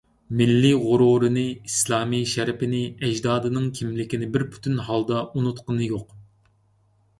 مىللىي غورۇرىنى، ئىسلامىي شەرىپىنى، ئەجدادىنىڭ كىملىكىنى بىر پۈتۈن ھالدا ئۇنۇتقىنى يوق.